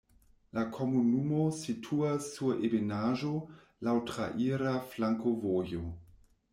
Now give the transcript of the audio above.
La komunumo situas sur ebenaĵo, laŭ traira flankovojo.